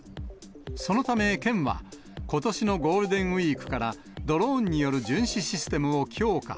そのため県は、ことしのゴールデンウィークから、ドローンによる巡視システムを強化。